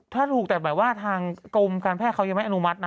ถ้าถูกแต่แบบว่าทางกรมการแพทย์เขายังไม่อนุมัตินะ